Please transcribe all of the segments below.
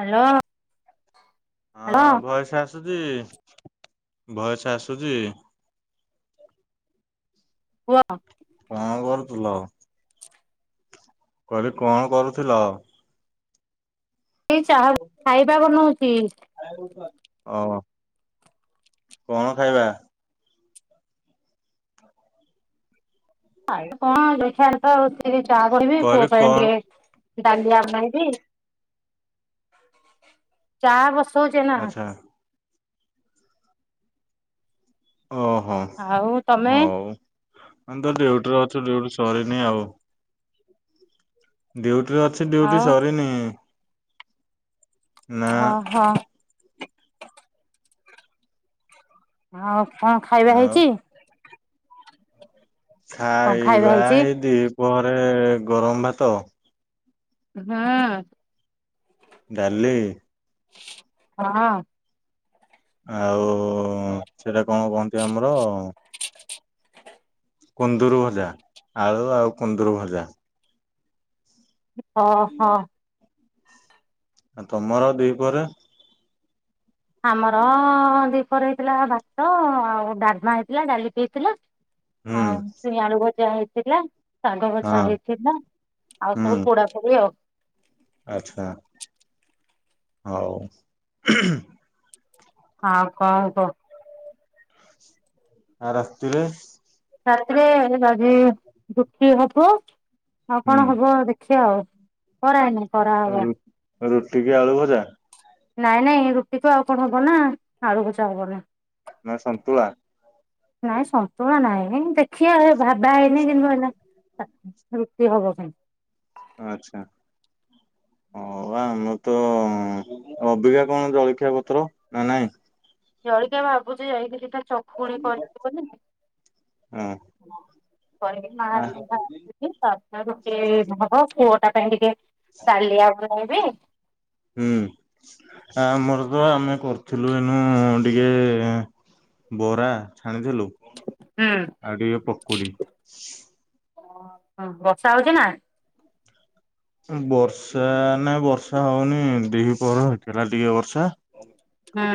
Hello. ହଁ voice ଆସୁଛି voice ଆସୁଛି ପୁଅ [unintelligible] ହାଲୋ। କହିଲି କଣ କରୁଥିଲ? ଏଇ ଚାହା ଖାଇବା ବନଉଥିଲି। ଓହ କଣ ଖାଇବା? ଖାଇବା କଣ ଦେଖିଆ ହଉ ସେଏ ଚାହା କରିବେ କହିଲି ପୁଅ ପାଇଁ କଣ ଟିକେ ଡାଲି [unintelligible] ଚା [unintelligible] ଆଚ୍ଛା ଓହୋ ଆଉ ତମେ ହଉ ଆମେ ତ ଡିଉଟିରେ ଅଛୁ ଡିଉଟି ସରିନି ଆଉ। [unintelligible] ଟିରେ ଅଛି ଡିଉଟି ଆଉ ସରିନି। ନା ଅ ହଁ। [inaudible] ଆଁ କଣ ଖାଇବା ଆଉ ହେଇଚି? ଖାଇବା ଏଇ ଦି ଘରେ ଗରମ ଭାତ ହଁ। ଡାଲି ହଁ। ଆଉ ସେଟା କଣ କହନ୍ତି ଆମର କୁନ୍ଦୁରୁ ଭଜା ଆଳୁ ଆଉ କୁନ୍ଦୁରୁ ଭଜା। ହଁ ହଁ। ଆଉ ତମର ଦିପହରେ ଆମର ଦିପରେ ହେଇଥିଲା ଭାତ ଆଉ ଡାଲମା ହେଇଥିଲା ଡାଲି ବି ହେଇଥିଲା। ହୁଁ ଆଉ ଛୁଇଁ ଆଳୁ ଯା ହେଇଥିଲା। ଶାଗ ଭଜା ହଁ ହେଇଥିଲା। ଆଉ ସବୁ ହୁଁ ପୋଡା ପୋଡି ଆଉ। ଆଚ୍ଛା ହଉ। ହଁ କହ କହୁ। ଆଉ ରାତିରେ। ରାତିରେ [unintelligible] ଦୁଃଖୀ ହବୁ। ଆଉ ହୁଁ କଣ ହବ? ଦେଖ [unintelligible] ଖରା ରୁ ଆଇଲା। ରୁଟି କି ଆଳୁ ଭଜା? ନାଇଁ ନାଇଁ ରୁଟିକୁ ଆଉ କଣ ହବ ନା। ଆଳୁ ଭଜା ହବନି। ନା ସନ୍ତୁଳା? ନାଇଁ ସନ୍ତୁଳା ନାଇଁ ଦେଖିବା [unintelligible] ରୁଟି ହବ ଖାଲି। ଆଛା। ହଁ ବା ଆମର ତ ଅବିକା କଣ ଜଳଖିଆ ପତ୍ର ନା ନାଇଁ? ଜଳିଖିଆ ଭାବୁଛି ଯାଇକି ଦି ଟା ଚକୁଳି କରି ଦବ ନି ତ ହଁ ଆ [unintelligible] [inaudible] କାଲି ଆପଣ ରହିବେ? ହୁଁ ଆମର ତ ଆମେ କରିଥିଲୁ। ଏନୁ ଟିକେ ବରା ଛାଣିଥିଲୁ। ହୁଁ ଆଉ ଟିକେ ପକୁଡି। ବର୍ଷା ହଉଛି ନା? ବର୍ଷା ନାଇ ବର୍ଷା ହଉନି ଦିପହରେ ହେଇଥିଲା ଟିକେ ବର୍ଷା। ହୁଁ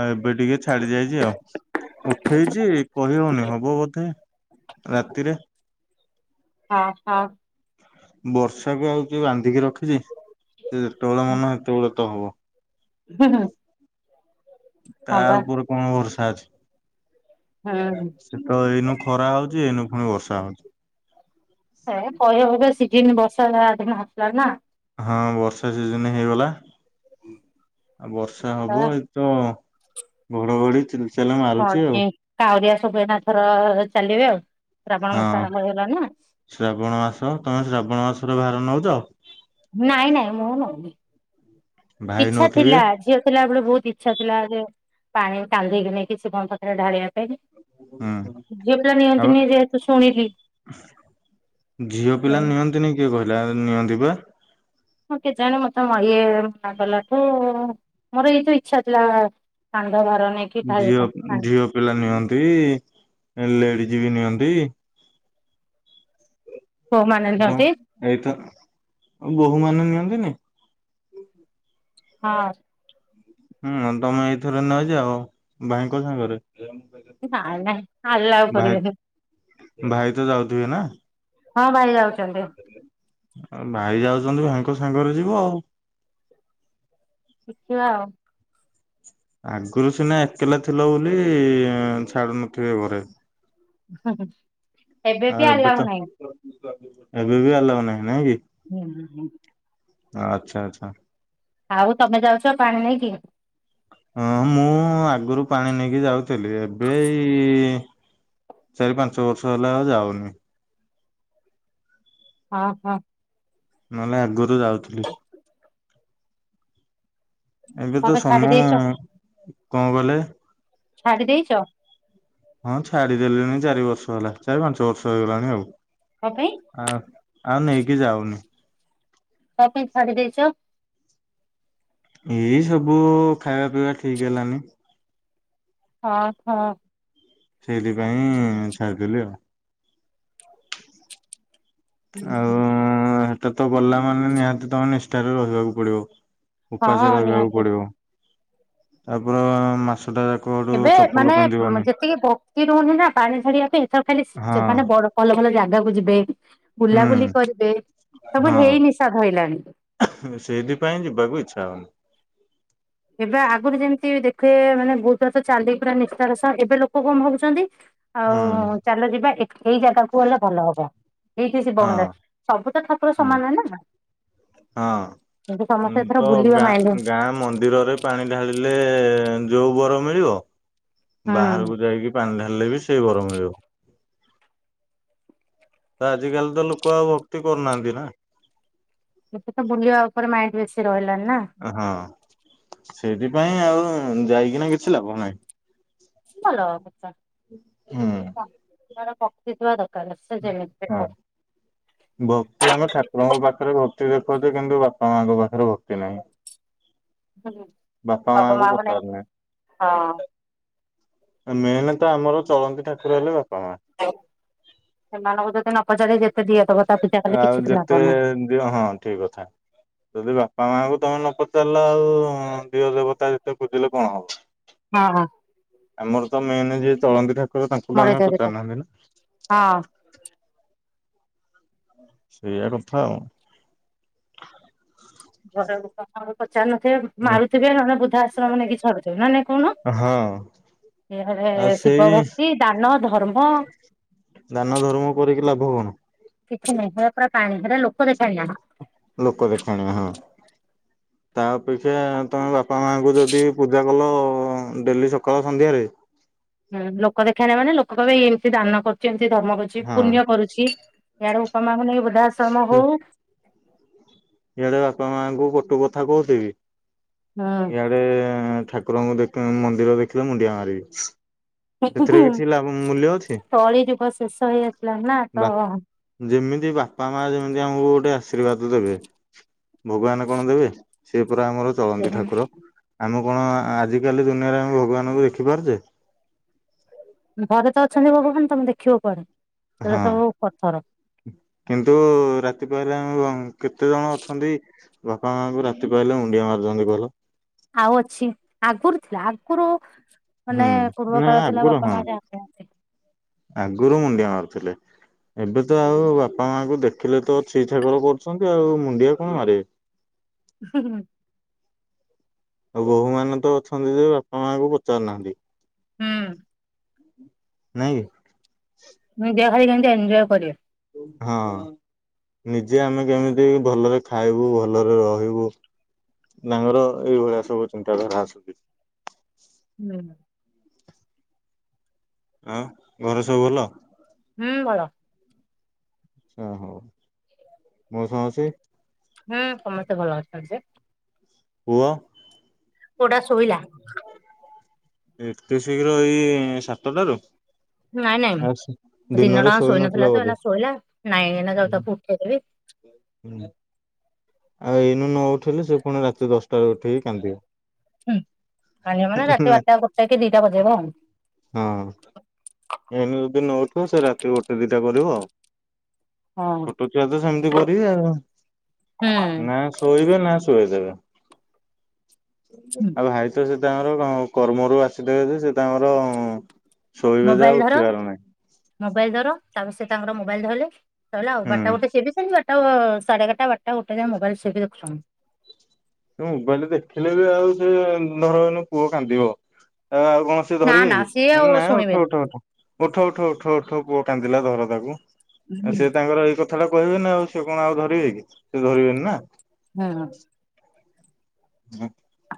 ଆଉ ଏବେ ଟିକେ ଛାଡି ଯାଇଛି ଆଉ। ଉଠେଇଛି କହି ହଉନି ହବ ବୋଧେ ରାତିରେ। ହଁ ହଁ। ବର୍ଷାକୁ ଆଉ କିଏ ବାନ୍ଧିକି ରଖିଛି। ସେ ଯେତେବେଳେ ମନ ସେତେବେଳେ ତ ହବ। ହୁଁ ହୁଁ। ତା ହଁ ବା ଉପରେ କଣ ବର୍ଷ ହୁଁ [unintelligible] ସେ ତ ଏଇନୁ ଖରା ହଉଛି ଏଇନୁ ପୁଣି ବର୍ଷା। ହଅନ୍ତ ଏ କହିବା କଥା। ସିିଜିନ୍ ବର୍ଷା ଦିନ ଆସିଲା ନା। ହଁ ବର୍ଷା ସିଜନ ହେଇଗଲା। ଆଉ ବର୍ଷା ହବ ଏଇତ ଘଡଘଡି ଚାଲ ହଁ ମାରୁଛି ଆଉ ଯେ କାଉରିିଆ ସବୁ ଏଇନା ଏଥର ଚାଲିବେ ଆଉ। ଶ୍ରାବଣ ହଁ ମାସ ଆରମ୍ଭ ହେଇଗଲା ନା ଶ୍ରାବଣ ମାସ ତମେ ଶ୍ରାବଣ ମାସ ତୁମେ ଭାର ନଉଚ। ନାଇଁ ନାଇଁ ମୁଁ ନଉନି। ଭାଇ ଇଚ୍ଛା ନଉଥିବେ ଥିଲା ଝିଅ ଥିଲାବେଳେ ବହୁତ ଇଚ୍ଛା ଥିଲା। ଯେ ପାଣି କାନ୍ଧେଇକି ନେଇକି ଶିବଙ୍କ କତିରେ ଢାଳିବା ପାଇଁ। ହଁ, ଝିଅ ପିଲା ଆଉ ନିଅନ୍ତିନି ଯେହେତୁ ଶୁଣିଲି ଝିଅ ପିଲା ନିଅନ୍ତିନି କିଏ କହିଲା ନିଅନ୍ତି ପା। ହଁ କେଜାଣେ ମୋତେ ମୋ ଇଏ ମନା କଲାଠୁ ମୋର ଏଇତ ଇଚ୍ଛା ଥିଲା ପାଣି ଭାର ନେଇକି ଢାଳିବା ଝିଅ ପାଇଁ ଝିଅ ପିଲା ନିଅନ୍ତି। ଏ ଲେଡି ଜି ବି ନିଅନ୍ତି। ପୁଅମାନେ ଡ ନିଅନ୍ତି ଏଇତ ଅ, ବହୁମାନେ ନିଅ ତିନି ହଁ। ହୁଁ ତୋମେ ଏଇଥର ନଇ ଯାଅ ଭାଇଙ୍କ ସାଙ୍ଗରେ। ଏ ନାଇଁ ନାଇଁ ଆଲାଓ ଭାଇ କରିିବେନି। ଭାଇ ହଁ ଭାଇ ଯାଉଛ ଆଉ ଭାଇ ଯାଉଚନ୍ତି। ଭାଇଙ୍କ ତୋ ସାଙ୍ଗରେ ଯିବ। ଦେଖିବା ଆଉ। ଆଗରୁ ସିନା ଏକେଲା ଥିଲ ବୋଲି ଛାଡୁ ନଥିବେ ଘରେ। ଆଉ ଏବେବି ଏବେ ତ ଆଲାଓ ନାହିଁ। ଏବେ ବି ଆଲାଓ ନାହିଁ ନାଇଁ କି? ନା ହଁ। ଆଚ୍ଛା, ଆଚ୍ଛା। ଆଉ ତୋମେ ଯାଉଛ ପାଣି ନେଇକି? ହଁ ମୁଁ ଆଗରୁ ପାଣି ନେଇକି ଯାଉଥିଲି। ଏବେ ଏଇ ଚାରି ପାଞ୍ଚ ବର୍ଷ ହେଲା ଆଉ ଯାଉନି। ହଁ, ହଁ। ନହେଲେ ଆଗରୁ ଯାଉଥିଲି। ଏବେ ତ କଣ ପାଇଁ ଛାଡି ସମୟ ଦେଇଛ କଣ କହିଲେ? ଛାଡି ଦେଇଚ? ହଁ ଛାଡି ଦେଲିଣି ଚାରି ବର୍ଷ ହେଲା। ଚାରି ପାଞ୍ଚ ବର୍ଷ ହେଇଗଲାଣି ଆଉ। କ ପାଇଁ? ଆଉ ଆଉ ନେଇକି ଯାଉନି। କ ପାଇଁ ଛାଡ଼ି ଦେଇଚ? ଏଇ ସବୁ ଖାଇବା ପିଇବା ଠିକ ହେଲାନି। ହଁ, ହଁ। ସେଇଥିପାଇଁ ଛାଡିଦେଲି ଆଉ। ହୁଁ, ହୁଁ। ଏଟା ତ ଗଲା ମାନେ ନିହାତି ତୋମେ ନିଷ୍ଠାରେ ରହିବାକୁ ପଡିବ। ହଁ ଉପାସେ ରହିବାକୁ ନିହାତି ପଡ଼ିବ। ତାପ ମାସ। [unintelligible] ଏବେ ମାନେ ଯେତିକି ଭକ୍ତି ରହୁନି ନା ପାଣି ଢାଳିବା ପାଇଁ ଇଚ୍ଛା ହେଉଚି ହଁ ସେମାନେ ଭଲ ଭଲ ଜାଗା କୁ ଜି ବେ। [inaudible] ବୁଲାବୁଲି ହୁଁ କରିବେ ସବୁ ହଁ ହେଇ ନିଶା ଧଇଲାନି। ସେଇଥିପାଇଁ ଯିବାକୁ ଇଚ୍ଛା ହଉନି ଏବେ ଆଗରୁ ଯେମିତି ଦେଖେ ମାନେ ବହୁତଥ ତ ଚାଲି ପୁରା ନିଷ୍ଠାର ସହ ଏବେ ଲୋକ କଣ ଭାବୁଛନ୍ତି ହୁଁ। ଆଉ ଚାଲ ଯିବା ଏଇ ଜାଗା କୁ ଗଲେ ଭଲ ହବ। ଏଇଠି ଶିବ ହଁ ମନ୍ଦିର ସବୁ ତ ଠାକୁର ହୁଁ ସମାନ ନା ହଁ। ଏବେ ଉଁ ସମସ୍ତେ ତ ଏଥର ବୁଲିବା ଗାଁ ମାଇ ଗାଁ ମନ୍ଦିରରେ ପାଣି ଢାଳିଲେ ଯୋଉ ବର ମିଳିବ। ହୁଁ ବାହାରକୁ ଯାଇକି ପାଣିଢାଳିଲେ ହେଲେ ବି ସେଇ ଘର ମିଳିବ। ତ ଆଜିକାଲି ତ ଲୋକ ଆଉ ଭକ୍ତି କରୁନାହାନ୍ତି ନା। ଏବେ ତ ବୁଲିବା ଉପରେ ମାଇଣ୍ଡ ବେଶୀ ରହିଲାନି। ନା ଉହୁଁ। ସେଇଥିପାଇଁ ଆଉ ଯାଇକିନା କିଛି ଲାଭ ନାଇଁ। ସେ ଭଲ। [inaudible] ପକିଥିବ ତ। [unintelligible] ହୁଁ ଭକ୍ତି ଆମେ ଠାକୁରଙ୍କ ପାଖରେ ଭକ୍ତି ଦେଖଉଚେ କିନ୍ତୁ କଣ ଆଙ୍କ ପାଖରେ ଭକ୍ତି ନାହି। ବାପା ମାଆ ଙ୍କୁ ନେଇ ପଚାରୁନେ ହଁ । ମେନ ତ ଆମର ଚଳନ୍ତି ଠାକୁର ହେଲେ ବାପା ମାଆ। ସେମାନଙ୍କୁ ଯଦି ନ ପଚାରି ଦିଅ ଦବ ତା ପୂଜା କଲେ ଆଉ କିଛି ବି ଲାଭ ଯେତେ ନାହିଁ ଦିଅ ହଁ ଠିକ କଥା ଯଦି ବାପା ମାଙ୍କ ତମେ ନ ପଚାରିଲା ଆଉ ଦିଅ ଦେବତା ଯେତେ ଖୋଜିଲେ କଣ ହେବ। ହଁ ହଁ। ଆମର ତ ମେନ୍ ଯିଏ ଚଳନ୍ତି ଠାକୁର ତାଙ୍କୁ ଟ ମଡେଇ ଆମେ ଦିଅ ପଚାରୁନାହାନ୍ତି ହଁ। ନା। ସେଇଆ କଥା ଆଉ। ଘର ଲୋକଙ୍କ କଥା କହୁଚି। ଚାଲୁନଥିବେ ହଁ ମାରୁଥିବେ ନହଲେ ବୃଦ୍ଧା ଆଶ୍ରମ ନେଇକି ଛଡୁଥିବେ ନ ନାଇ କହୁନ? ଏରେ ଆଉ ସେଇ ଶିବ ଭକ୍ତି, ଦାନ, ଧର୍ମ । କନ। [unintelligible] କିଛି ନାହିଁ। ପୁରା ପାଣି ପରା, ଲୋକ ଦେଖାଣିଆ। ଲୋକ ଦେଖାଣିଆ ହଁ। ତା ଅପେକ୍ଷା ତମେ ମାଙ୍କୁ ଯଦି ପୂଜା କଲ ଓ ଡେଲି ସକାଳ ସନ୍ଧ୍ୟାରେ ହୁଁ ଲୋକ ଦେଖାଣିଆ ମାନେ ଲୋକ କହିବେ ଇଏ ଏମିତି ଦାନ କରୁଛନ୍ତି। ସେ ଧର୍ମ କରୁଛି ହଁ ପୁଣ୍ୟ କରୁଛି। ଇଆଡେ ଉପମା ବନେଇ [unintelligible] ଇଆଡ଼େ ବାପା ମାଙ୍କୁ କଟୁ କଥା କହୁଥିବି ଇଆଡେ-ଏ-ଏ ଠାକୁରଙ୍କୁ ଦେଖ ହ ମନ୍ଦିର ଦେଖିଲେ ମୁଣ୍ଡିଆ ମାରିବି। ସେଥିରେ କିଛି ଲାଭ ମୂଲ୍ୟ ଅଛି କଳିଯୁଗ ଶେଷ ହେଇଆସିଲାଣି ନା ତ-ଅ-ଅ କି ବାପା ମା ଯେମିତି ଆମକୁ ଗୋଟେ ଆଶୀର୍ବାଦ ଦେବେ। ଭଗବାନ କଣ ଦେବେ? ସେ ପରା ଆମର ଚଳନ୍ତି ଠାକୁର। ଆମକୁ କଣ ଆ ଆଜିକାଲି ଦୁନିଆରେ ଆମେ ଭଗବାନଙ୍କୁ ଦେଖିପାରୁଛେ? ଘରେ ତ ଅଛନ୍ତି ଭଗବାନ ତମେ ଦେଖିବ କୁଆଡେ। ସେଇଟା ସବୁ ପଥର। କିନ୍ତୁ-ଉ-ଉ-ଉ ରାତି ପାଇଲେ ଆ-ଆ-ଆ କେତେ ଜଣ ଅଛନ୍ତି ବାପା ମାଙ୍କୁ ରାତି ପାଇଲେ ମୁଣ୍ଡିଆ ମାରୁିଛନ୍ତି କହିଲ? ଆଉ ଅଛି। ଆଗରୁ ଥିଲା, ଆଗରୁ ହୁଁ ମାନେ ପୂର୍ବ ନା କାଳ ଥିଲା ଆଗରୁ ବାପା ହଁ। ମା ଯାହା କୁହନ୍ତି ଆଗରୁ ମୁଣ୍ଡିଆ ମାର ଥିଲେ, ଏବେ ତ ଆଉ ବାପା ମାଙ୍କୁ ଦେଖିଲେ ତ ଛି ଛାକର କରୁଛନ୍ତି ଆଉ ମୁଣ୍ଡିଆ କଣ ମାରିବେ? ହୁଁ ହୁଁ। ଆଉ ବୋହୂ ମାନେ ତ ଅଛନ୍ତି ଯେ ବାପା ମାଙ୍କୁ ପଚାରୁନାହାନ୍ତି। ହୁଁ। ନାଇଁ କି? [unintelligible] ଭାଇ କେମିତି ଏଞ୍ଜୟ କରିବେ। ହଁ ନିଜେ ଆମେ କେମିତି ଭଲରେ ଖାଇବୁ ଭଲରେ ରହିବୁ। ତାଙ୍କର ଏଇଭଳିଆ ସବୁ ଚିନ୍ତାଧାରା ଆସୁଛି। ହୁଁ। ଆଉ ଘରେ ସବୁ ଭଲ? ହୁଁ ଭଲ। ଆଛା ହଉ। ମଉସା ମାଉସୀ? ହୁଁ ସମସ୍ତେ ଭଲ ଅଛନ୍ତି ଯେ। ପୁଅ? ପୁଅଟା ଶୋଇଲା। ଏତେ ଶୀଘ୍ର ଏଇ-ଇ-ଇ-ଇ ନାଇଁ ନାଇଁ ଦିନ ଦିନରେ ଟା ଶୋଇ ନଥିଲା ସୋଇନଥିଲା ତ, ବୋଧେ। ଏଇନା ଶୋଇଲା, ନାଇଁ ଏଇନା ଯାଉଛି ତାକୁ ଉଠେଇଦେବି। ଆଉ ଏଇନୁ ନ ଉଠେଇଲେ, ସେ ପୁଣି ରାତି ଦଶଟାରେ ଉଠେଇକି ହୁଁ ମାନିବ ମାନେ ରାତି କାନ୍ଦିବ। ନା ବାରଟା ଗୋଟେ କି ଦିଟା ବଜେଇବ ଆଉ। ହଁ ଏଇନେ ଯଦି ନ ଉଠିବ ସେ ରାତି ଗୋଟେ ଦିଟା କରିବୁ ଆଉ। ଛୋଟ ଛୁଆ ତ ସେମିତି କରିବେ ଆଉ। ହଁ ନା ଶୋଇବେ ନା ଶୋଆଇଦେବେ। ହୁଁ [inaudible] ଆଉ ଭାଇ ତ ସେ ତାଙ୍କର କ କର୍ମରୁ ଆସିଥାଏ, ଯେ ସେ ତାଙ୍କର ଶୋଇବେ ଯେ ଆଉ ମୋବାଇଲ ଧର, ଉଠିବାର ନାହିଁ ମୋବାଇଲ ଧର। ତାପରେ ସେ ତାଙ୍କର ମୋବାଇଲ ଧରିଲେ। ତହେଲା ଆଉ ବାଟା ହୁଁ। ବଟି ସେ ବି ସେମିତି ବାଟ୍ ତ ସାଢ଼େ ଏଗାରଟା, ବାରଟା, ଗୋଟେ, ଯାଇ ମୋବାଇଲ ସେ ବି ଦେଖୁଛନ୍ତି। ମୋବାଇଲରେ ଦେଖିଲେ ବି, ଆଉ ସେ ଧର ଏଇନେ ପୁଅ କାନ୍ଦିବ। ଆ ଆଉ କୌଣସି ନା ଧରିବେ ନା କି, ସିଏ ଆଉ ନାଇ ଉଠ ଶୁଣିବେନି। ଉଠ ଉଠ। ଉଠ ଉଠ ଉଠ ଉଠ ପୁଅ କାନ୍ଦିଲା ଧର ତାକୁ। ଆଉ ସେ ତାଙ୍କର ଏଇ କଥା କଥାଟା କହିବେନି ଆଉ, ସେ କଣ ଆଉ ଧରିବେ କି, ସେ ଧରିବେନି ନା। ଅହଁ ।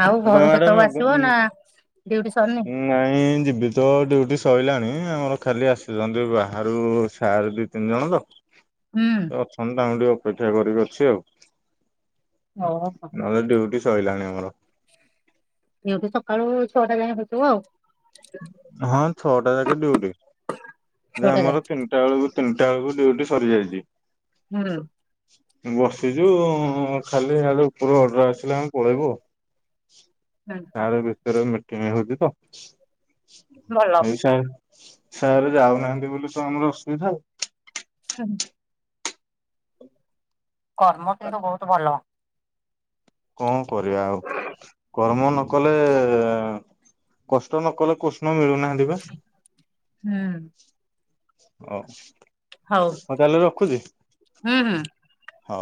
ଆଉ ତମ ଘରକୁ ଆଡେ କେତେବେଳ ଆସିବ ମେଘ ନା ଡିଉଟି ସରିନି? ଏ ବି ତ ଡ୍ୟୁଟି ସରିଲାଣି, ଆମର ଖାଲି ଆସିଛନ୍ତି ବାହାରୁ ସାର୍ ଦି ତିନି ଜଣ ତ। ସେ ହୁଁ ଅଛନ୍ତି ତାଙ୍କୁ ଟିକେ ଅପେକ୍ଷା କରିକି ଅଛି ଆଉ। ଓ ହୋ। ଲାଣି ଆମର ଏଇଠୁ ସକାଳୁ, ଛଅଟା ଯାଏ ହଉଥିବ ଆଉ। ହଁ ଛଅଟା ଯାକେ ଡିଉଟି, ଯେ ଛଅଟା ଯାଏଁ। ଆମର ତିନିଟା ବେଳକୁ ତିନିଟା ବେଳକୁ ଡିଉଟି ସରିଯାଇଛି। ହୁଁ। ବସିଛୁ ଖାଲି, ଆଡୁ ଉପରୁ ଅର୍ଡ଼ର ଆସିଲେ, ଆମେ ପଳେଇବୁ ଆଉ। ହୁଁ ସାର ଏବେ ବ୍ୟସ୍ତ ରହିମେ ପେମେଣ୍ଟ ହଉଚି ତ। ଭଲ। ହଉ ସାର। ସାରେ ଯାଉନାହାନ୍ତି ବୋଲି ତ ଆମର ଅସୁବିଧା ଆଉ। ହ କର୍ମ କିନ୍ତୁ ବହୁତ ଭଲ। କଣ? କରିବା ଆଉ କର୍ମ ନ କଲେ କଷ୍ଟ ନକଲେ କୃଷ୍ଣ ମିଳୁନାହିଁ। ହୁଁ। ହ। ହଉ ହୁଁ ହୁଁ। ହଉଁ।